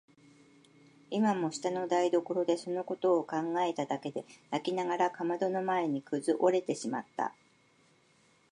今も下の台所でそのことを考えただけで泣きながらかまどの前にくずおれてしまった。